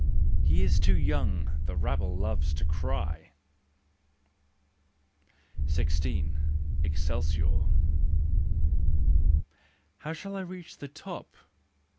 " He is too young! " the rabble loves to cry. 16. Excelsior. " How shall I reach the top